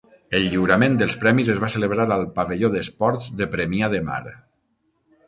El lliurament dels premis es va celebrar al Pavelló d'Esports de Premià de Mar.